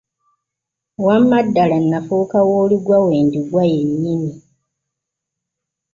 Wamma ddala nafuuka w’oliggwa wendiggwa yennyini.